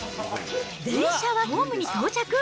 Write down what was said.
電車がホームに到着。